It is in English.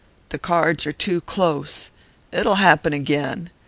The cards are too close.... It'll happen again....